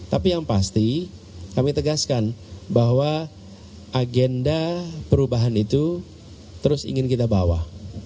tapi yang pasti kami tegaskan bahwa agenda perubahan itu terus ingin kita bawa